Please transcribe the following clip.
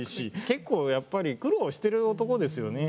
結構やっぱり苦労してる男ですよね。